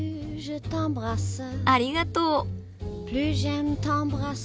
ありがとう。